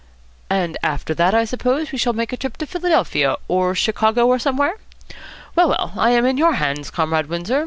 "And after that, I suppose, we'll make a trip to Philadelphia, or Chicago, or somewhere? Well, well, I am in your hands, Comrade Windsor.